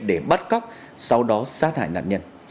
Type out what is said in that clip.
để bắt cóc sau đó xá thải đạn nhân